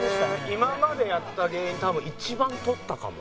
今までやった芸人で多分一番取ったかも。